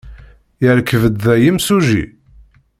Yerkeb-d da yimsujji?